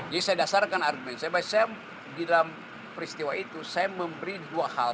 jadi saya dasarkan argumen saya saya di dalam peristiwa itu saya memberi dua hal